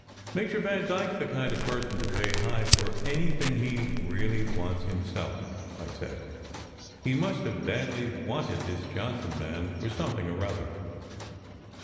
"Major Vandyke s the kind of person to pay high for anything he really wants himself," I said. "He must have badly wanted this Johnson man for something or other."